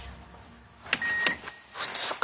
２日。